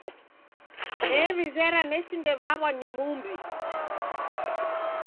New'izera nesindaw'aw'a ni muw'i.